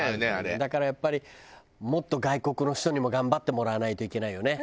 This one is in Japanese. だからやっぱりもっと外国の人にも頑張ってもらわないといけないよね。